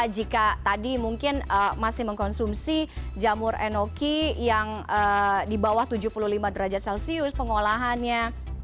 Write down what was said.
jika tadi mungkin masih mengkonsumsi jamur enoki yang di bawah tujuh puluh lima derajat celcius pengolahannya